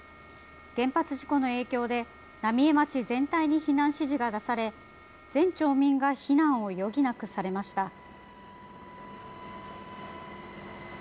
原発事故の影響で浪江町全体に避難指示が出され全町民が避難を余儀なくされました。